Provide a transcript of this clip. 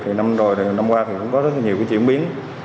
thì năm qua thì cũng có rất nhiều chuyển biến